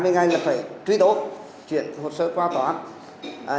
hai mươi ngày là phải truy tố chuyển hồ sơ qua tòa án